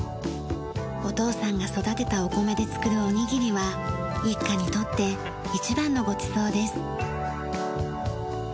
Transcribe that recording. お父さんが育てたお米で作るおにぎりは一家にとって一番のごちそうです。